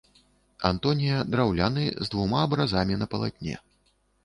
Антонія, драўляны, з двума абразамі на палатне.